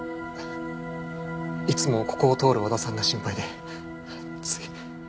いつもここを通る和田さんが心配でつい。